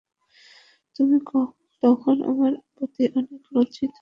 তুমি তখন আমার প্রতি অনেক লজ্জিত ছিলে।